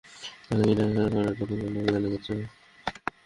তাহলে কি ড্যাশ আর স্কারলেট নতুন কোনও অভিযানে যাচ্ছে?